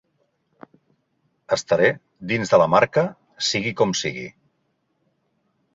Estaré dins de la marca sigui com sigui.